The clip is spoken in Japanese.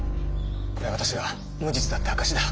これは私が無実だっていう証しだ。